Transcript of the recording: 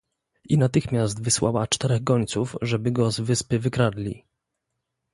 "I natychmiast wysłała czterech gońców, żeby go z wyspy wykradli."